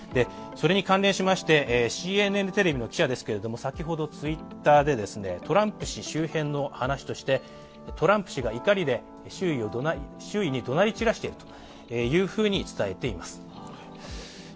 それに関連しまして、ＣＮＮテレビの記者ですけれども、先ほどＴｗｉｔｔｅｒでトランプ氏周辺の話としてトランプ氏が怒りで周囲にどなり散らしていると伝えています。